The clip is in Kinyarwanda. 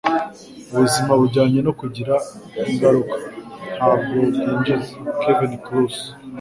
Ubuzima bujyanye no kugira ingaruka, ntabwo bwinjiza.” - Kevin Kruse